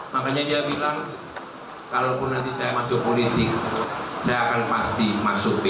makanya dia bilang kalaupun nanti saya masuk politik saya akan pasti masuk p tiga